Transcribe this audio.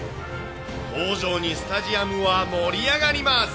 登場にスタジアムは盛り上がります。